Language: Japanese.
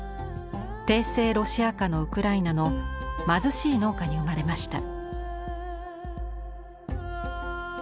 帝政ロシア下のウクライナの貧しい農家に生まれました。